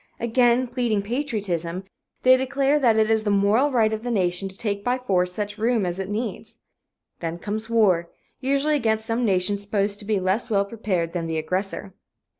Again pleading patriotism, they declare that it is the moral right of the nation to take by force such room as it needs. Then comes war usually against some nation supposed to be less well prepared than the aggressor.